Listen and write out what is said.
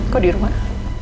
kau di rumah